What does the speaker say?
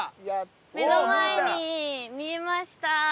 目の前に見えました！